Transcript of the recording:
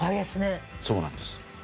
そうなんです。